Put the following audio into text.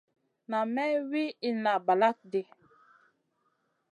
Nam may wi inna balakŋ ɗi.